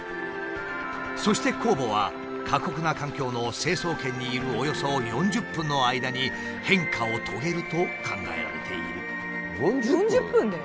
そして酵母は過酷な環境の成層圏にいるおよそ４０分の間に変化を遂げると考えられている。